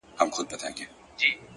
نظم د بریالیتوب خاموش اصل دی!.